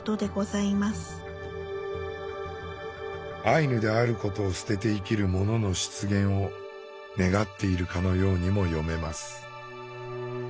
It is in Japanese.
アイヌであることを捨てて生きる者の出現を願っているかのようにも読めます。